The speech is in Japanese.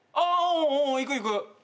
行く行く！